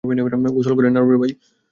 গোসল করে নাও।